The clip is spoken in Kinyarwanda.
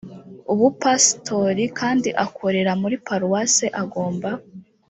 bupasitori kandi akorera muri paruwase agomba